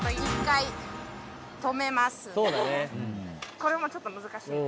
これもちょっと難しい。